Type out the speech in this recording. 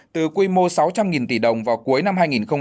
từ quy mô sáu trăm linh tỷ đồng vào cuối năm hai nghìn một mươi chín